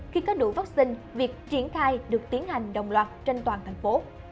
khi có đủ vaccine việc triển khai được tiến hành đồng loạt trên toàn thành phố